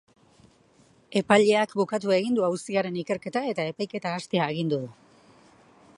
Epaileak bukatu egin du auziaren ikerketa, eta epaiketa hastea agindu du.